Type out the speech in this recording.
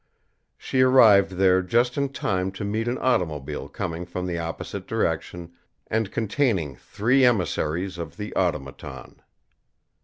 She arrived there just in time to meet an automobile coming from the opposite direction and containing three emissaries of the Automaton.